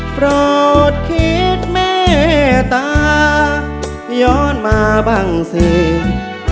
เพราะอดคิดแม่ตาย้อนมาบางสิ่ง